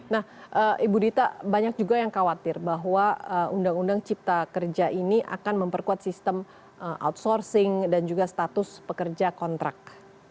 nah ibu dita banyak juga yang khawatir bahwa undang undang cipta kerja ini akan memperkuat sistem outsourcing dan juga status pekerja kontrak